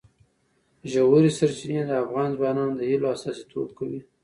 ژورې سرچینې د افغان ځوانانو د هیلو استازیتوب کوي.